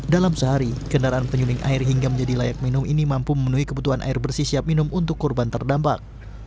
dalam sehari kendaraan penyuling air hingga menjadi layak minum ini mampu memenuhi kebutuhan air bersih siap minum untuk korban terdampak